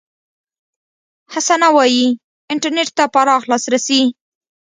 حسنه وايي، انټرنېټ ته پراخ لاسرسي